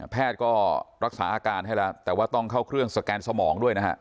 แพทย์ก็รักษาอาการให้แล้วแต่ว่าต้องเข้าเครื่องสแกนสมองด้วยนะฮะ